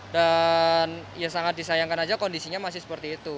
dan ya sangat disayangkan saja kondisinya masih seperti itu